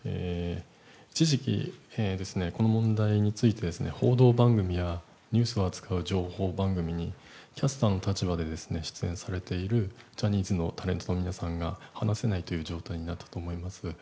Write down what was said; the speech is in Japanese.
一時期、この問題について報道番組やニュースを扱う情報番組にキャスターの立場で出演されているジャニーズのタレントの皆さんが話せないという状態になったと思います。